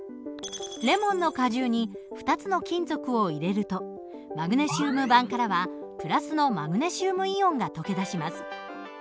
レモンの果汁に２つの金属を入れるとマグネシウム板からは＋のマグネシウムイオンが溶け出します。